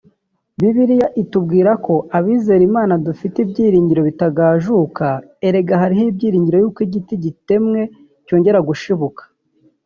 Bibiliya itubwira ko abizera Imana dufite ibyiringiro bitagajuka" erega hariho ibyiringiro yuko igiti iyo gitemwe cyongera gushibuka